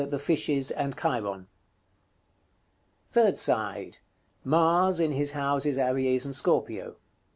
the fishes and Chiron." § CX. Third side. Mars, in his houses Aries and Scorpio.